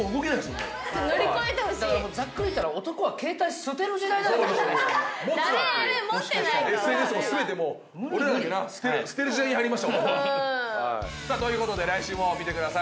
もうだからもうざっくり言ったらそうそうそう持つなっていうダメダメ持ってないとＳＮＳも全てもう俺らだけな捨てる時代に入りました男はさあということで来週も見てください